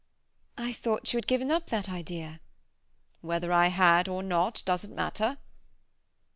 "I thought you had given up that idea." "Whether I had or not doesn't matter."